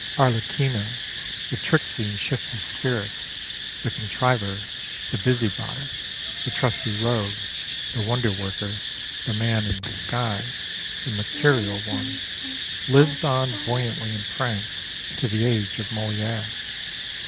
Arlecchino, the tricksy and shifty spirit, the contriver, the busybody, the trusty rogue, the wonder worker, the man in disguise, the mercurial one, lives on buoyantly in France to the age of Moliere.